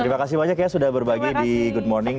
terima kasih banyak ya sudah berbagi di good morning